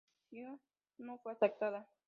La dimisión no fue aceptada.